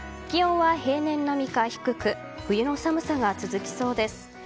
気温は平年並みか低く冬の寒さが続きそうです。